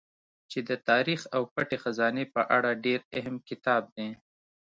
چې د تاريڅ او پټې خزانې په اړه ډېر اهم کتاب دی